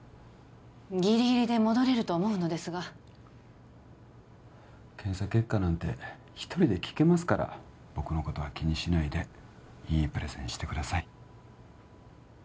ギリギリで戻れると思うのですが検査結果なんて一人で聞けますから僕のことは気にしないでいいプレゼンしてください